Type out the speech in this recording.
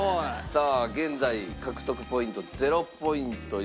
さあ現在獲得ポイント０ポイント良純さん。